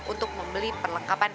untuk membeli perlengkapan